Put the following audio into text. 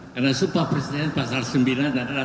karena supapresiden pasal sembilan dan ada